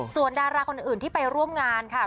ส่วนดาราคนอื่นที่ไปร่วมงานค่ะ